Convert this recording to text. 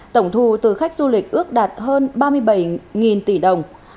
tổng thu từ khách du lịch ước đạt hơn ba mươi bảy tỷ đồng